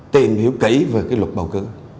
tìm hiểu kỹ về luật bầu cử